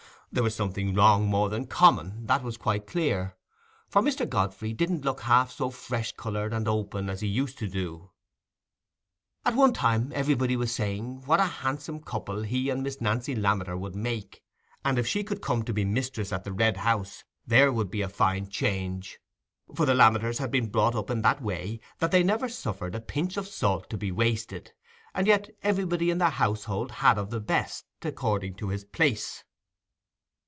There was something wrong, more than common—that was quite clear; for Mr. Godfrey didn't look half so fresh coloured and open as he used to do. At one time everybody was saying, What a handsome couple he and Miss Nancy Lammeter would make! and if she could come to be mistress at the Red House, there would be a fine change, for the Lammeters had been brought up in that way, that they never suffered a pinch of salt to be wasted, and yet everybody in their household had of the best, according to his place.